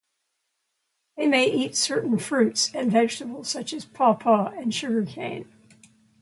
They may eat certain fruits and vegetables, such as pawpaw and sugarcane.